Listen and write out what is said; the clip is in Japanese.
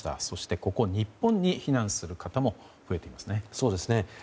そして、ここ日本に避難する方も増えていますね。